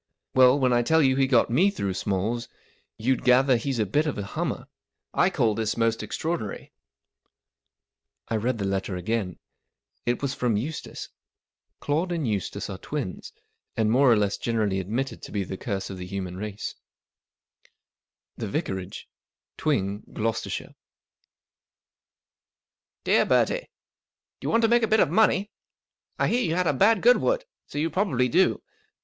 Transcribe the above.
Well, when 1 tell you he got me through Smalls* you'll gather that he's a bit of a hummer, I call this most extraordinary/* I read the letter again. It was from Eustace. Claude and Eustace are twins, p & "'■flrtfSieRSITY OF MICHIGAN The Great Sermon Handicap 480 and more or less generally admitted to be the curse of the human race. "The Vicarage, "Twing, Glos. " Dear Bertie, —Do you want to make a bit of money ? I hear you had a bad Goodwood, so you probably do.